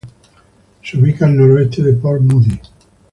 Se ubica al noroeste de Port Moody.